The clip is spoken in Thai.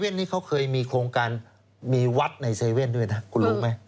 นี้เขาเคยมีโครงการมีวัดใน๗๑๑ด้วยนะคุณรู้ไหม